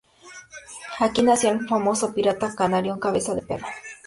Aquí nació el famoso pirata canario Cabeza de Perro.